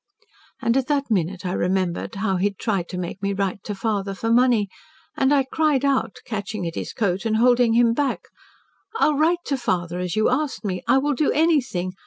And at that minute I remembered how he had tried to make me write to father for money. And I cried out catching at his coat, and holding him back. 'I will write to father as you asked me. I will do anything.